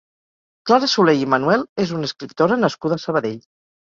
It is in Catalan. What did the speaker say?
Clara Soley i Manuel és una escriptora nascuda a Sabadell.